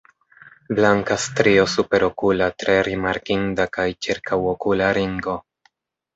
Blanka strio superokula tre rimarkinda kaj ĉirkaŭokula ringo.